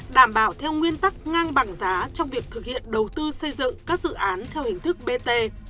đảm bảo theo nguyên tắc ngang bằng giá trong việc thực hiện đầu tư xây dựng các dự án theo hình thức bt